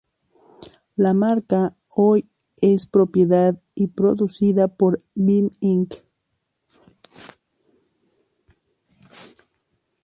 La marca hoy es propiedad y producida por Beam Inc.